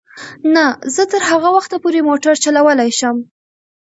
نه، زه تر هغه وخته پورې موټر چلولای شم.